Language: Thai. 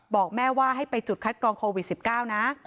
บอกแม่ว่าให้ไปจุดคัดกรองโควิด๑๙นะ